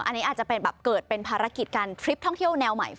อันนี้อาจจะเป็นแบบเกิดเป็นภารกิจการทริปท่องเที่ยวแนวใหม่